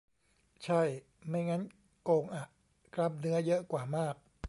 ใช่ ไม่งั้นโกงอะ กล้ามเนื้อเยอะกว่ามาก